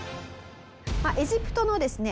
エジプトのですね